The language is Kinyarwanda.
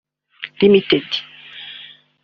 Lt